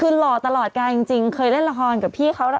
เออแจกดีกว่า